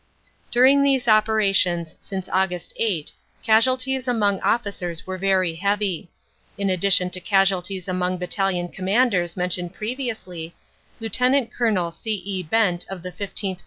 During these operations since Aug. 8 casualties among officers were very heavy. In addition to casualties among Battalion Commanders mentioned previously, Lt. Col. C. E. Bent of the 15th.